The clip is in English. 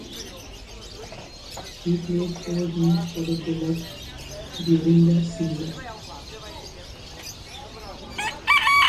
He played four games for the Bullets during the season.